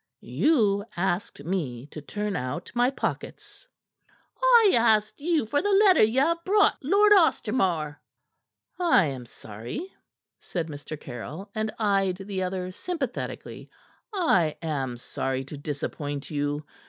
"You asked me to turn out my pockets." "I asked you for the letter ye have brought Lord Ostermore." "I am sorry," said Mr. Caryll, and eyed the other sympathetically. "I am sorry to disappoint you.